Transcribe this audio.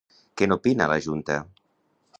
Què n'opina la junta?